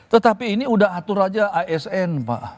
tetapi ini udah atur aja asn pak